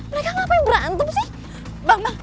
mereka ngapain berantem